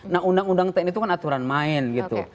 nah undang undang tni itu kan aturan main gitu